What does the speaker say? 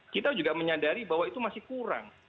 kita juga menyadari bahwa itu masih kurang